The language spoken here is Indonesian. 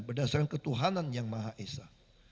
berdasarkan ketuhanan yang maha esa